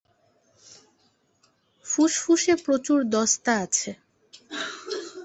ফুসফুসে প্রচুর দস্তা আছে।